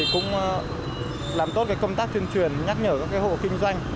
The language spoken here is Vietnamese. cũng làm tốt công tác tuyên truyền nhắc nhở các hộ kinh doanh